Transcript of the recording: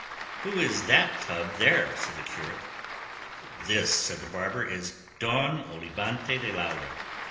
"Who is that tub there?" said the curate. "This," said the barber, "is 'Don Olivante de Laura.